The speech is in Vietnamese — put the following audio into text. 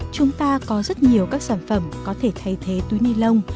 chúng ta có rất nhiều các sản phẩm có thể thay thế túi nilon